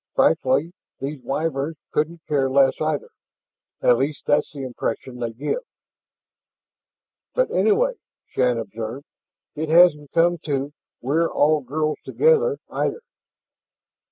Frankly, these Wyverns couldn't care less either; at least that's the impression they give." "But anyway," Shann observed, "it hasn't come to 'we're all girls together' either."